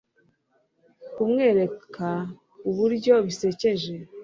kumwereka uburyo bisekeje